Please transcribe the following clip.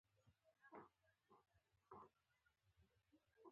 د شوکي نخاع له صدمې څخه مخنیوي وشي.